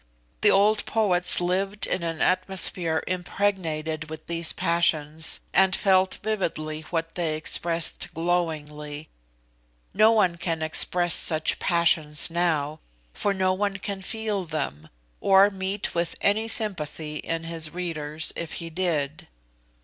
The old poets lived in an atmosphere impregnated with these passions, and felt vividly what they expressed glowingly. No one can express such passions now, for no one can feel them, or meet with any sympathy in his readers if he did.